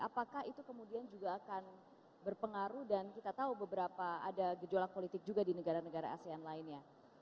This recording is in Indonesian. apakah itu kemudian juga akan berpengaruh dan kita tahu beberapa ada gejolak politik juga di negara negara asean lainnya